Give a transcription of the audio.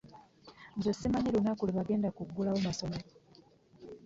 Nze simanyi lunnaku lwe bagenda kugulawo masomero.